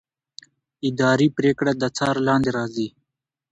اداري پرېکړه د څار لاندې راځي.